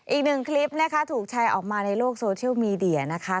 อีกหนึ่งคลิปนะคะถูกแชร์ออกมาในโลกโซเชียลมีเดียนะคะ